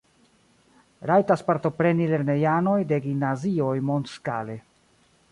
Rajtas partopreni lernejanoj de gimnazioj mondskale.